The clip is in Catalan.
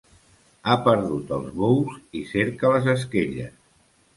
Ha perdut els bous i cerca les esquelles.